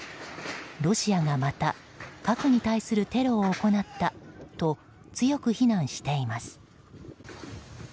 ロシアがまた核に対するテロを行ったと強く非難しています。